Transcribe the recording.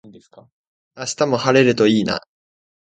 明日も晴れるといいな